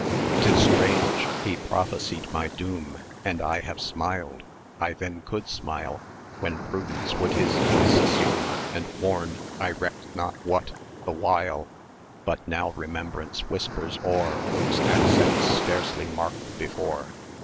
'Tis strange he prophesied my doom, And I have smiled I then could smile When Prudence would his voice assume, 1230 And warn I recked not what the while: But now Remembrance whispers o'er[et] Those accents scarcely marked before.